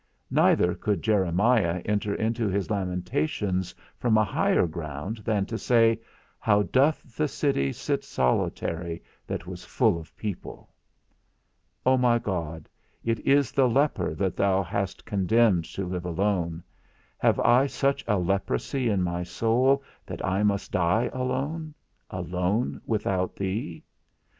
_ Neither could Jeremiah enter into his lamentations from a higher ground than to say, How doth the city sit solitary that was full of people. O my God, it is the leper that thou hast condemned to live alone; have I such a leprosy in my soul that I must die alone; alone without thee?